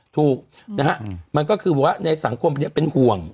ถูกมันก็คือว่าในสังคมเป็นห่วง